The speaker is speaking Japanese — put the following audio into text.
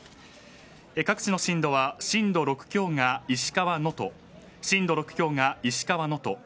各地の震度は震度６強が石川能登震度６強が石川、能登。